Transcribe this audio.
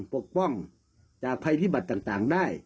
ปลวงจากภัยธิบัตรต่างได้